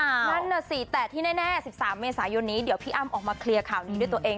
นั่นน่ะสิแต่ที่แน่๑๓เมษายนนี้เดี๋ยวพี่อ้ำออกมาเคลียร์ข่าวนี้ด้วยตัวเอง